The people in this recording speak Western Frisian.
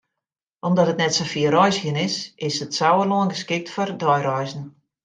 Omdat it net sa fier reizgjen is, is it Sauerlân geskikt foar deireizen.